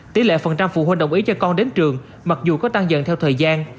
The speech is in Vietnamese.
tỷ lệ phần trăm phụ huynh đồng ý cho con đến trường mặc dù có tăng dần theo thời gian